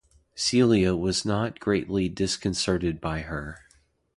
Celia was not greatly disconcerted by her.